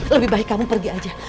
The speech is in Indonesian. lebih baik kamu pergi aja